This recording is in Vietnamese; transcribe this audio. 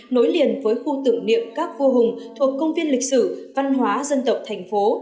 nối liền với khu tưởng niệm các vua hùng thuộc công viên lịch sử văn hóa dân tộc thành phố